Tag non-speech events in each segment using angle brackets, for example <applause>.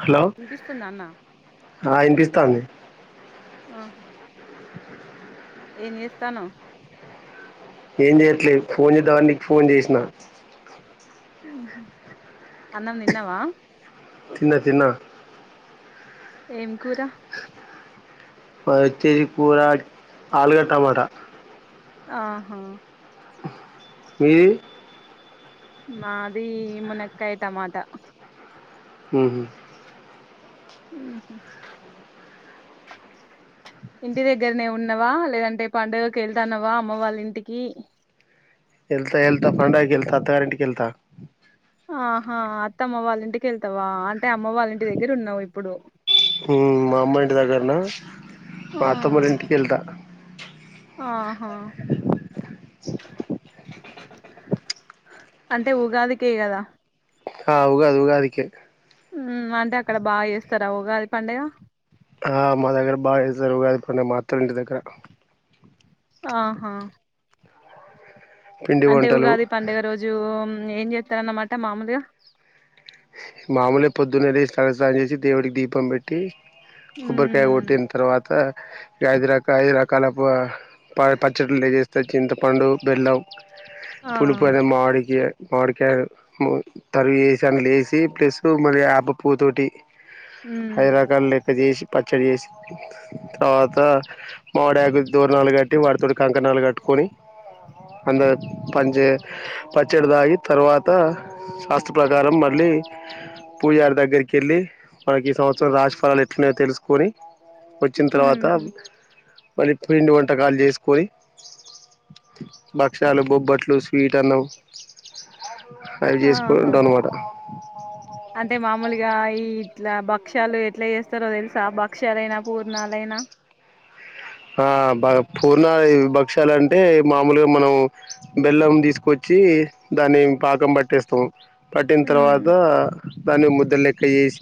Hello వినిపిస్తుందా అన్న హా వినిపిస్త్ త్తంది ఆహా ఏం చేస్తనవ్ ఏం చేయట్లేదు ఫోన్ చేదామని నీకు ఫోన్ చేసిన ఉహు అన్నం తిన్నవా తిన్న తిన్నా ఏం కూరా పైతిజ కూర ఆలుగట్ టమాట ఆహా మీది మాది మునక్కయ టమాట ఉహు ఉహు ఇంటి దగ్గరనే ఉన్నవా లేదంటే పండుగకి వెళ్తాన్నావా అమ్మ వాళ్ళ ఇంటికి ఎళ్తా ఎళ్తా ఫండగకి ఎళ్త అత్తగారింటికెళ్తా ఆహా అత్తమ్మ వాళ్ళ ఇంటికెళ్తావా అ అంటే అమ్మ వాళ్ళంటి దగ్గర ఉన్నావు ఇప్పుడు ఉమ్, మా అమ్మ ఇంటి దగ్గరన ఆ మా అత్తమ్మోళ్లింటికెళ్తా ఆహా అంటే ఉగాదికే గదా ఆ ఉగాది ఉగాది కే ఉమ్ అంటే అక్కడ బాగా చేస్తారా ఉగాది పండుగ ఆ మా దగ్గర బాగాచేస్తరు ఉగాది పండుగ మా అత్తోళ్ల ఇంటి దగ్గర ఆహా పిండి అంటే వంటలు ఉగాది పండుగ రోజు ఏం చేస్తారన్నమాట మామూలుగా మామూలే పొద్దున్న లేసి తల స్నానం చేసి దేవుడికి దీపం పెట్టి కొబ్బరికాయ ఉమ్, కొట్టిన తర్వాత ఇగ ఐదు రక ఐదు రకాల ప పచ్చడిలు లే చేేస్తే చింతపండు బెల్లం ఆ పలిపు అరే మాడికి మామీడికాయ తరిగేసి అండ్లేసి సి ప్లస్ మాల్యాప పూతోటి ఐదు ఉమ్ రకలేక్కచేసి పచ్చడి చేసి తర్వాత మామిడి ఆకు దూరణాలు కట్టి వాటితోటి కంకణాలు కట్టుకొని అందరం పచ్చడి తాగి తర్వాత శాస్త ప్రకారం మళ్ళీ పూజారి దగ్గరికి వెళ్ళి మనకి ఈ సంవత్సరం రాజ ఫలాలు ఎట్లున్నాయో తెలుసుకొని వచ్చిన తర్వాత ఉహు మళ్ళీ పిండి వంటకాలు చేసుకొని భక్షలు బొబ్బట్లు స్వీట్ అన్నం అవి చేసుకుని ఆహా ఉంటామన్నమాట అంటే మామూలుగా ఈ ఇట్లా భక్ష్యాలు ఎట్లా చేస్తారో తెలుసా భక్ష్యాలైనా పూర్ణాలైనా ఆ బ పూర్ణ భక్ష్యాలంటే మామూలుగా మనం బెల్లం తీసుకొచ్చి దాన్ని పాకం పట్టేస్తాం పట్టిన ఉమ్ తర్వాత దాని ముదలేెక జేసి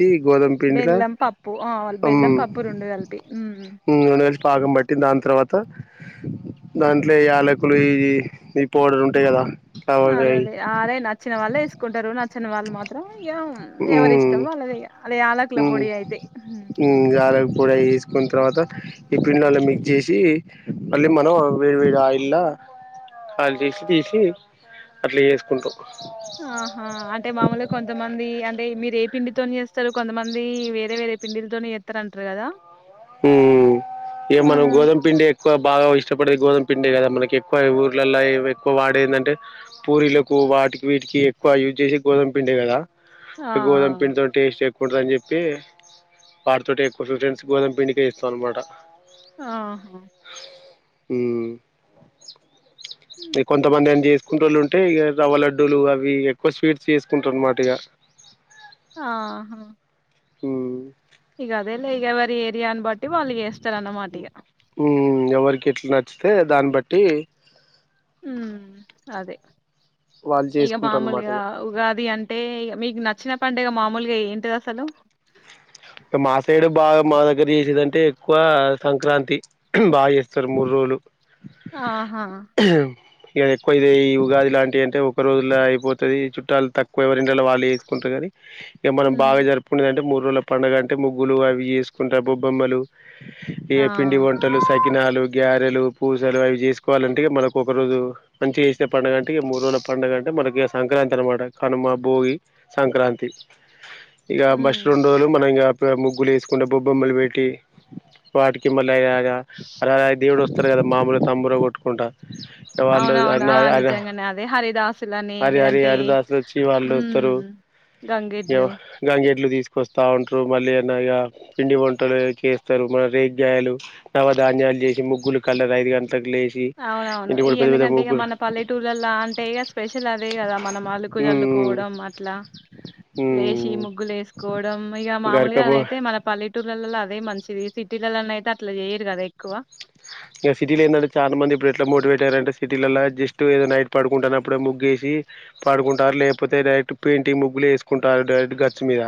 బెల్లం పప్పు ఆ బెల్లం పప్పు రెండు కలిపి హ్మ్ బట్టి దాని తర్వాత దాంట్లో యాలకులు ఇవి ఇ పౌడర్ ఉంటాయి కదా లవంగాయి అలాదే అరే నచ్చిన వాళ్ళే వేసుకుంటారు నచ్చని వాళ్ళు మాత్రం ఏవో ఎవరి ఇష్టం వాళ్ళేదే ఇగా అదే అళ్ళ హ్మ్ హ్మ్ యెలాక్ కూడా వేసుకున్న తర్వాత ఈ పిండ్ <unintelligible> జేసి మళ్ళీ మనం వేడి వేడి ఆయిల్ల ఆయిల్ చేసి తీసి అట్లా వేసుకుంటాం. ఆహా అంటే మామూలుగా కొంతమంది అంటే మీరే పిండితోని చేస్తారు కొంతమంది వేరే వేరే పిండిల్తోనే యేస్తారా అంటారు కదా హ్మ్ ఇగ మనం ఉమ్. గోధుమ పిండి ఎక్కువ బాగా ఇస్ ఇష్టపడేది గోధుమ పిండే కదా మనకి ఎక్కువ ఊర్లలో ఎక్కువ వాడేందంటే పూరిలకు వాటికి వీటికి ఎక్కువ యూజ్ చేసే గోధుమ్ పిండే కదా ఆ గోదమ పింతో టేస్ట్ ఉంటదని చెప్పి వాటితో ఎక్కువ ఫ్రెండ్స్ గోదం దీనికే ఇస్తార్ అన్నమాట ఆహా మ్మ్ ఇగ్ ఉమ్. కొంతమంది ఏం చేసుకుంటోళ్ళు ఉంటే ఇగ రవ్వ లడ్డూలు అవి ఎక్కువ స్వీట్స్ చేసుకుంటారు అన్నమాట ఇగ ఆహా హుమ్ ఇగ అదే లే ఇగ ఎవరి ఏరియాన్ బట్టి వాళ్ళు ఎస్ హమ్ ఎవరి ఇట్లా నచ్చితే దాన్ని బట్టి మ్ అదే వాళ్ళు ఇక చేసుకుంటారు అనమాట మామూలుగా ఉగాది అం అంటే మీకు నచ్చిన పండుగ మామూలుగా ఏంటిదసలు మా సైడు బాగా మా దగ్గర చేసేదింటే ఎక్కువ సంక్రాంతి బాగా చేస్తారు మూడు రోజులు ఆహా ఇక ఎక్కువ చెయ్ ఉగాది లాంటి అంటే ఒక రోజుల్లో అయిపోతుంది చుట్టాలు తక్కువ ఎవరిండ్లల వాళ్లే వేసుకుంటారు కానీ ఇక మనం ఉమ్ బాగా జరుపుకునేది అంటే మూ రుణం పండుగ అంటే ముగ్గులు అవి చేసుకుంటారు బొమ్మలు ఏ ఆ పిండి వంటలు సకినాలు లు గ్యారెలు పూసలు అయి చేసుకోవాలంటే మనకు ఒకరోజు మంచిగా చేసే పండగ అంటే మూడు రోజుల పండుగ అంటే మనకి సంక్రాంతి అనమాట కనుమ భోగి సంక్రాంతి ఇగ ఉమ్ భషరున్ లు మనం ఇగ ముగ్గులు వేసుకున్న బొబ్బొమ్మలు పెట్టి వాటికి మళ్ళీ అ అలాగ దేవుడు వస్తారు కదా మామలు తమ్ముర కొట్టుకుంటా వాళ్ళు అవునవును ఆ నిజంగానే అదే హరిదాసులని హరి హరి లేదంటే హరిదాసులు వచ్చి వాళ్ళు ఉం వస్తారు గంగేడ్లు వస్తా ఉంటారు మళ్ళీ అ ఇగ పిండి వంటలు చేస్తారు మన రేగాయలు నవధాన్యాలు చేసి ముగ్గులు కళ్లరు ఐదు గం అవునవును ఇ ఎందుకంటే ఇ ముగ్గులు మన పల్లెటూర్లలా అంటే ఇక స్పెషల్ అదే కదా మనం అలుకు జల్లుకోవడం అట్లా లేషి ముగ్గులు వేసుకో ఇక మామూలుగా గరక అయితే మన పల్లె టూర్లల అదే మంచిది సిటీలలో అయితే అట్లా చేయరు కదా ఎక్కువ ఇగ సిటీలో ఏంటంటే చాలా మంది ఇప్పుడు ఎట్లా మోటివేట్ అయ్యారంటే సిటీలలో జస్ట్ ఏదో నైట్ పడుకుంటున్నప్పుడే ముగేసి పడుకుంటారు లేకపోతే డైరెక్ట్ పెయింటింగ్ ముగ్గులు వేసుకుంటారు డైరెక్ట్ గచ్ మీద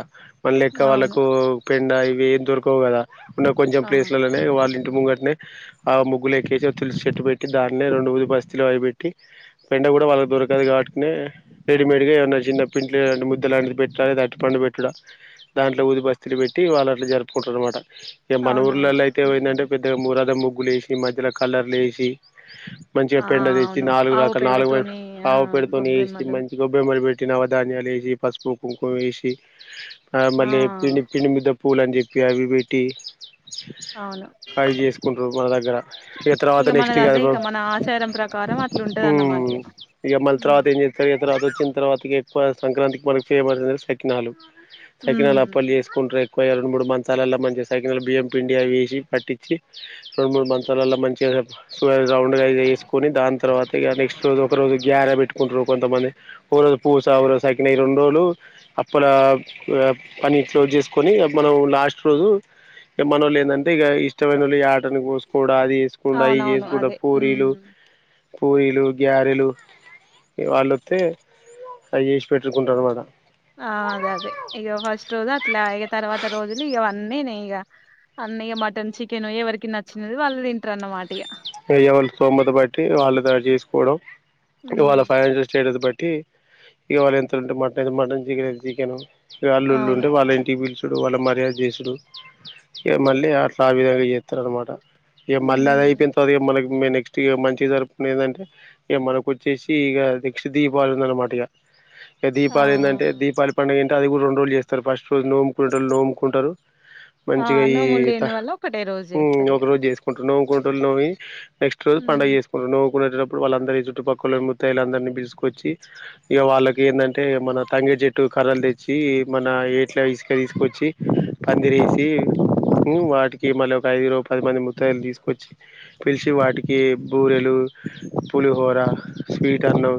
మనలెక్క అవును వాళ్ళకు పెండ ఇవి ఏం దొరకవు కదా ఉన్న కొంచెం ఆ ప్లేస్లలోనే వాళ్ళ ఇంటి ముంగటనే ఆ ముగ్గులు ఎక్కేసి తులిసి చెట్టు పెట్టి దాన్నే రెండు ఊది బస్తీలు అవి పెట్టి పెండ కూడా వాళ్ళకి దొరకదు కాట్కునే రెడీమేడ్గా ఏమన్నా చిన్న పింట్లు ముద్దలంటిది పెట్టుడ లేదా అరటిపండు పెట్టుడా దాంట్లో ఊది బస్తీలు పెట్టి వాళ్ళ అట్ల జరుపుకుంటారు అన్నమాట ఇక మన అవునవును ఊర్లలో ఉమ్. అయితేందంటే పెద్దగా ఊరంత ముగ్గు గ్గులేసి మధ్యలో కలర్లు ఎసి మంచిగా ఆ పెండ తెచ్చి అవును నాలుగు ఆవు రకా నాలుగు వైపు పేడతోని ఆ ఆవు పెడతోనే ఎసి గొబ్బెమ్మలు మంచి గొబ్బెమ్మని పెట్ట్ పెట్టినవధాన్యాలు వేసి పసుపు కుంకుమ వేసి ఆ మళ పిని పిని మీద పూలు అని చెప్పి అవి పెటి హవి జేసుకున్ మన దగ్గర ఇక మనది అదే ఇక మన ఆచారం ప్రకారం అట్లుంటదన్నమాట ఇగ ఇక మళ్ళీ ఉమ్ తర్వాత ఏం చేస్తారు ఇక తర్వాత వచ్చిన తర్వాతకి ఎక్కువ సంక్రాంతికి మనకి ఫేమస్ ఎందంటే సక్కినాలు ఉమ్. సక్కినాలు అప్పల్లి చేసుకుంట్రే కోయ రెండు మూడు మంచాలల్లో మంచి సకినాల బియ్యం పిండి అవి ఏసి పట్టిచ్చి రెండు మూడు మంచాలల్ల మంచిగా య సో అవి రౌండ్ గా ఇది వేసుకొని దాని తర్వాత ఇగ నెక్స్ట్ రోజు ఒక రోజు గ్యారా పెట్టుకుంటురు కొంతమంది ఓ రోజు పూస <unintelligible> సకిన ఈ రెండు రోజులు అప్పల <unintelligible> చేసుకొని మనం లాస్ట్ రోజు మనోళేందంటే ఇగ ఇష్టమైనోళ్ లు యాటను కోసుకో డా అది చేసుకుడాం ఇది అవునవును చేసుకుండా అదే పూరీలు ఉమ్ పూరీలు గ్యారెలు వాళ్ళొత్తే అవి చేసి పెట్టుకుంటారు అన్నమాట ఆ అదే అదే ఇగ ఫస్ట్ రోజు అట్లా ఇక తర్వాత రోజులు ఇగ అన్నీ నే ఇగ అన్నీ ఇగ మటన్ చికెన్ ఎవరికి నచ్చినది వాళ్ళు తింటారు అన్నమాట ఇగ వెయ్య వాళ్ళు స్తోమత బట్టి వాళ్ళు తారు చేసుకోవడం ఇవాళ ఫైనాన్షియల్ స్టేటస్ బట్ట్ అంటే ఇకవాళ ఎంత ఉంటే మటన్ అతే మటన్ చికెన్ అయితే చికెన్ వాళ్ళుల్రు అవును ఉంటే వాళ్ళ ఇంటి బిల్స్ చడు వాళ్ళ మర్యాద చేసుడు ఇక మళ్ళీ అట్లా ఆ విధంగా చేస్తారు అనమాట ఏ ఉమ్ మల్రాయదాయి మన మము నెక్స్ట్ ఇ మంచిగా జరుపుంది ఏంటంటే ఇ మనకు వచ్చేసి ఇ నెక్స్ట్ దీపవళి ఉంది అనమాట ఇక ఆ దీపాలింట దీపాలిపండ అది రె రోజలు చేస్తారు ఫస్ట్ రోముకునే నోముకుంటారు ఆ మంచిగా ఈ నోములు లేని వాళ్ళు ఒకటే రోజు చేస్తారు ఇగ ఒక రోజు చేసుకుంటున్నా కోటల్ల్యి నెక్ట్ రోజ పగ చేసుంటు్వు కునేటప్పుడు వాళ్ళందరి చుట్టుపక్కల ముత్తాయిలు అందరినీ పిలుసుకొచ్చి ఇక వాళ్ళకి ఏంటంటే మన తంగే చెట్టు కర్రలు తెచ్చి మన ఏట్లా ఇసుక తీసుకొచ్చి పందిర వేసి వాటికి మళ్ళీ ఒక ఐదు పదిమంది ముత్తయిలు తీసుకొచ్చి పిలిచి వాటికి బూరెలు పులిహోర స్వీట్ అన్నం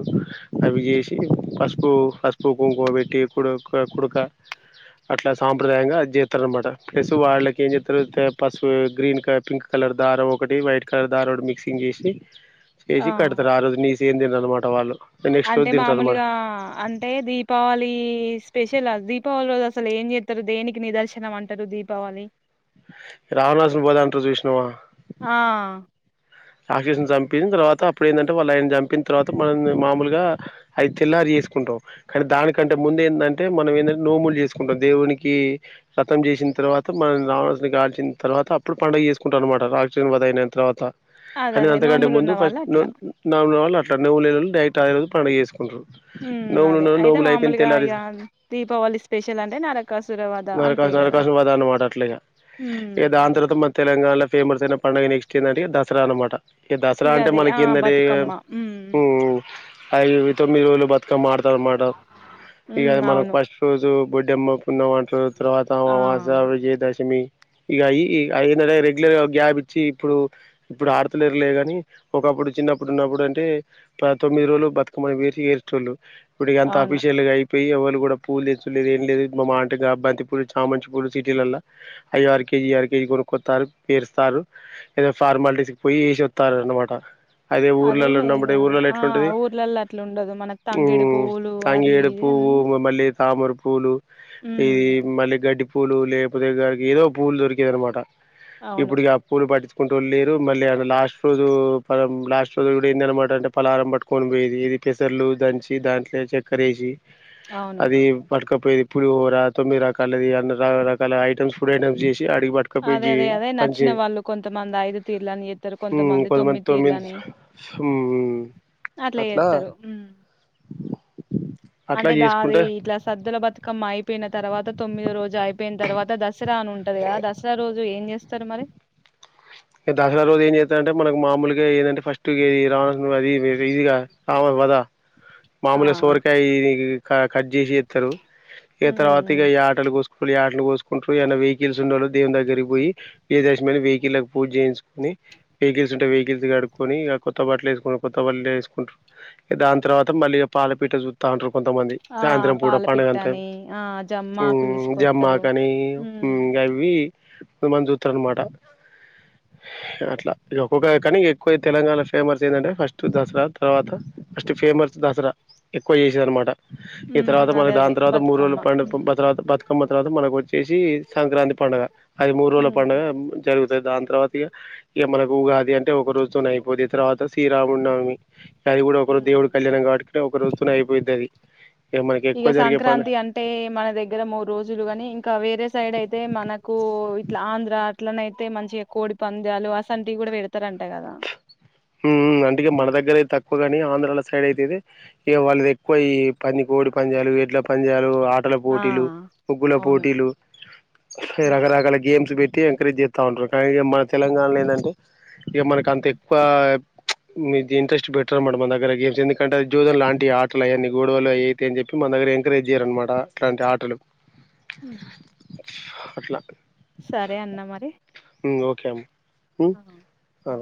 అవి చేసి పసుపు పసుపు కుంకుమ పెట్టి కుడు కుడుక అట్లా సాంప్రదాయంగా చేస్తారు అన్నమాట ప్లస్సు వాళ్ళకి ఏం చేస్తారుతే పసుపు గ్రీన్ క పింక్ కలర్ దారం ఒకటి వైట్ క్కర దారోడు మిక్సింగ్ చేసి ఆ ఏసి కడత రా రోజని చేంది అనమాట వాళ్ళు నెక్స్ట్ రోజు అంటే తింటారు అనమాట మామూలుగా అంటే దీపావళి స్పెష లా దీపావళి రోజు అసలు ఏం చేత్తారు దేనికి నిదర్శనం అంటారు దీపావళి రావణాసురుని వదంట జూషినవా ఆ రాక్షసుని చంపిన్ తర్వాత అప్పుడు ఏంటంటే వాళ్ళు ఆయన చంపిన తర్వాత మనం మామూలుగా అయి తెల్లారి చేసుకుంటాం, కానీ దానికంటే ముందే ఏంటంటే మనం ఏంటంటే నోములు చేసుకుంటాం, దేవునికి రథం చేసిన తర్వాత మనం రావణసుని కాల్చిన తర్వాత అప్పుడు పండుగ చేసుకుంటాం అనమాట రాక్షసుని వధ అయిన తర్వాత. అదే కానీ అదే అంతకంటే నోములు ముందు ఉన్న వాళ్ళు ఫస్ట్ అట్లా నొన్ నోములు వాళ్ సండే వోలేదన్ డైరెక్ట్ ఆ రోజు పండుగ చేసుకుంటురు మ్మ్ అదే అయితే మామూలుగా ఇగ దీపావళి స్పెషల్ అంటే నరకాసురవద్ నరకాస్ నరకాసుర వద అన్నమాట అట్లాయిగ ఉమ్ ఇగ దాని తర్వాత మ తెలంగాణలో ఫేమస్ అయిన పండుగ నెక్స్ట్ ఏంటంటే దసరా అన్నమాట ఈ దసరా ఇగ అంటే అదే ఆ మనకి ఏందది బతుకమ్మ ఉమ్ ఊమ్మ్ అయి ఇవి తో మీ వోళ్ళు బత్ ఇట మాటాడుతాడు అన్నమాట ఇక ఉమ్ అది మనకు అవును ఫస్ట్ రోజు బుడ్డెమ్మ పున్నెమన్ ట్రు తరువాత ఆ అమావాస్య విజయదశమి ఇక అయి అయిన రెగ్యులర్ గా గ్యాప్ ఇచ్చి ఇప్పుడు ఇప్పుడు ఆడతలేరులే గాని, ఒకప్పుడు చిన్నప్పుడు ఉన్నప్పుడు అంటే తొమ్మిది రోజులు బతుకమ్మని వేసి వేరుచేసేటోళ్ళు. ఇప్పుడికి అంత అవును ఆఫీషియల్ గై పెయ్యి ఎవళ్ళు కూడా పూలు తెచ్చులేదు ఏం లేదు మా మాట్ బంతిపూల్, చామంచిపూల్ సిటీల ల్లా అయో అర్కేజీ, ఇయో అర్కేజీ కొనుక్కొస్తారు పేరుస్తారు, ఏదో ఫార్మాలిటీస్ కి పోయి వేసి వత్తారు అన్నమాట. అదే ఊర్లలో లే ఉన్నప్పుడు ఇగా ఊర్లలో ఆ ఎట్లుంటది ఊర్లలో అట్లా ఉండదు మన తంగేడి హ్మ్. పువ్వులు అది ఇది అన్నీ తమారు పూలు ఈది మళ్ళీ గడ్డి పూలు లేపోతే గారికి ఏదో పూలురికేద అనమాట అవును ఇప్పుటికి అప్పుూలు పటి ట్కుంటూళ్ళలేరు మళ్ళీ లాస్ట్ రోజు పలం లాస్ట్ రోజు ఇ కూడా ఏంది అనమాట అంటే పలహారం పట్టుకొని పోయది ఇది పెసర్లు దంచి దాంట్లో చక్కరేసి అవును అది పడుక <unintelligible> తొమ్మిది రకాల అన్ని ర రకాల ఐటమ్స్ ఫుడ్ ఐటమ్స్ చే అదే అదే అదే నచ్చిన వాళ్ళు కొంతమంది ఐదు తీర్లని చేస్తారు కొంతమంది తొమ్మిది తీర్లని హ్మ్. అట్లా చేస్తారు అట్లా అంటే ద అది చేసుకుంటే ఇట్లా సద్దుల బతుకమ్మయి యిన తర్వాత తొమ్మిది రోజు అయిపోయి తవాత ద దసరా అని ఉంటది కదా దసరా రోజు ఏం చేస్తారు మరి ఇక దసరా రోజు ఏం చేస్తారంటే మనకు మామలుగా ఏదంటే ఫస్ట్ది రావ అది ఇదిగా <unintelligible> ఆ మాములుగ సొరకాయి కట్ చేసి ఇస్తారు ఇ ఉమ్ తరవాతిగాయ ఆటలు సుకులి ఆట కోసుకుంటారు ఏ వెహికల్స్ ఉండాలో దేం దగ్గరికి పోయి విదమైన వెహికల్ పూజ చేయించుకని వెహికల్స్ ఉంటాయి వెహికల్స్ కడుకొని ఇక కొత్త బట్టలు వేసుకుంట కొత్త బట్టలు వేసుకుంటారు దాని తర్వాత మళ్ళీ పాల పపీట చూస్తాంటారు కొంతమంది ఆ సాయంత్రం పూట పండగ అంటే పాలపిట్టని ఆ జమ్మాకు జమ్మ తీసుకొస్తారు కాని ఉమ్ అవి మంచి చూతారు అన్నమాట అట్లా ఇక ఒక్కొక్క కానీ ఎక్కువ తెలంగాణ ఫేమస్ ఏందంటే ఫస్ట్ దసరా తర్వాత అస్ట్ ఫేమస్ దసరా ఎక్కువ <unintelligible> మాట ఈ ఉమ్, తర్వాత అదే మనకి అదే దాని తర్వాత మూడు రోజుల బతుకమ్మ ఉమ్ పండుగ తర్వాత బతుకమ్మ తర్వాత మనకు వచ్చేసి సంక్రాంతి పండుగ అది మూడు రోజుల ఉమ్, పండుగ జరుగుతు దానీ తర్వాత ఇక మనకు ఉగాది అంటే ఒక రోజుతోని అయిపోది తర్వాత శ్రీరాము నమి అది కూడా ఒకరోజ ఉమ్. దేవుడు కళ్యాణం ఆడిక ఒకరోజు అయిపోయిదిది ఇక సంక్రాంతి అంటే మన దగ్గర మూడు రోజులు ని ఇంకా వేరే సైడ్ అయితే మనకు ఇట్లా ఆంధ్ర అట్లనయితే మంచిగా కోడి పందాలు అసంటివి కూడా పెడతారంటా కదా హ అందుకే మన దగ్గర తక్ ఎక్కువగాని ఆం్రాల సైడ్ అయితే ఇ వాళ్ళది ఎక్కువ ఈ పని కోడి పంజాలు ఇట్ల పన్ ఆటల ఆ పోటీలు <unintelligible> అవును పోటీలు రక రక ఉమ్ ల గేమ్స్ పెట్ ఎంకరేజ్ చేస్తూ ఉంటారు కానీ ఇక మన తెలంగాణలో ఏంటే ఇక మనకి అంత మీది ఇంట్రెస్ట్ పెట్ట అనమాట మన దగ్గర గేమ్స్ ఎందుకంటే అది జ్యోన్ లాంటి ఆటలు అవన్నీ గోడవలు అయిత అని చెప్పి మ దగ్గర ఎంకరేజ్ చేయరునమాట అట్లాంటి ఆటలు హ అట్లా సరే అన్న మరి ఓకే అమ్ ఆ ఆ